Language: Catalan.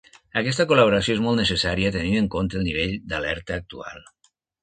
Aquesta col·laboració és molt necessària tenint en compte el nivell d’alerta actual.